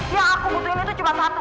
yang aku muslimin itu cuma satu